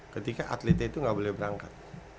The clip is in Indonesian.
ketika atletnya itu nggak boleh berangkat